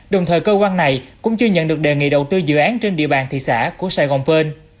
đồng thời cơ quan này cũng chưa nhận được đề nghị đầu tư dự án trên địa bàn thị xã của sài gòn pearl